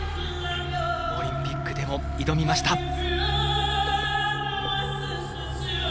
オリンピックでも挑みました。